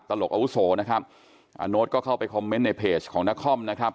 ตลกอาวุโสนะครับอาโน๊ตก็เข้าไปคอมเมนต์ในเพจของนครนะครับ